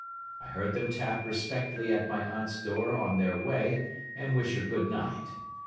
I heard them tap respectfully at my aunt's door on their way, and wish her good night.